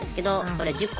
これ１０個。